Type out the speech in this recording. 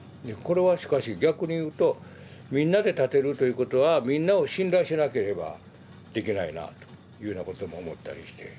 これはしかし逆に言うとみんなで建てるということはみんなを信頼しなければいけないなというようなことも思ったりして。